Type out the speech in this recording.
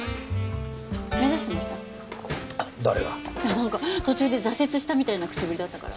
なんか途中で挫折したみたいな口ぶりだったから。